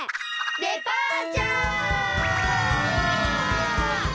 デパーチャー！